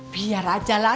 biar aja lah